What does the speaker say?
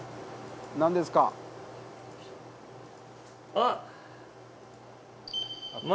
あっ！